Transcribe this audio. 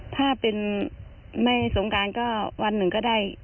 ถ้าเป็นไม่สงการก็วันหนึ่งก็ได้